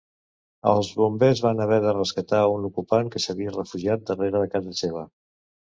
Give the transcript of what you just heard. Els bombers van haver de rescatar un ocupant que s'havia refugiat darrera de casa seva.